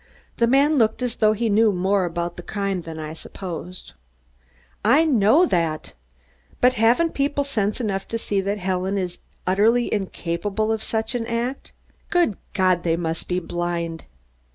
The man looked as though he knew more about the crime than I had supposed. "I know that! But haven't people sense enough to see that Helen is utterly incapable of such an act. Good God, they must be blind!"